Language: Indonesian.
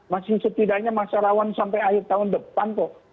masih setidaknya masyarawan sampai akhir tahun depan kok